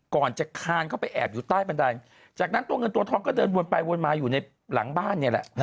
ก่อนจะคานเข้าไปแอบอยู่ใต้บันไดจากนั้นตัวเงินตัวทองก็เดินวนไปวนมาอยู่ในหลังบ้านเนี่ยแหละ